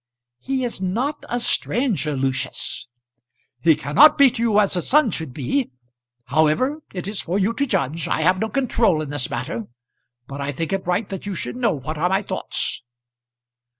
"He is not a stranger, Lucius." "He cannot be to you as a son should be. However, it is for you to judge. I have no control in this matter, but I think it right that you should know what are my thoughts."